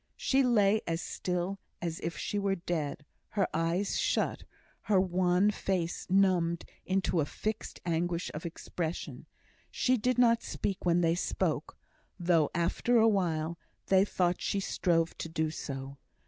She lay as still as if she were dead, her eyes shut, her wan face numbed into a fixed anguish of expression. She did not speak when they spoke, though after a while they thought she strove to do so.